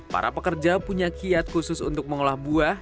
para pekerja punya kiat khusus untuk mengolah buah